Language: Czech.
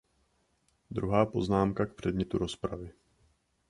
Druhá poznámka k předmětu rozpravy.